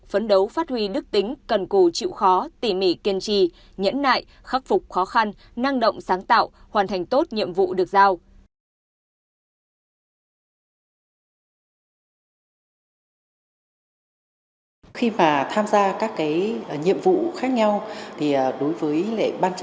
phấn đấu phát huy đức tính cần cù chịu khó tỉ mỉ kiên trì nhẫn nại khắc phục khó khăn năng động sáng tạo hoàn thành tốt nhiệm vụ được giao